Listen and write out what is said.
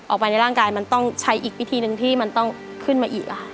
ในร่างกายมันต้องใช้อีกวิธีหนึ่งที่มันต้องขึ้นมาอีก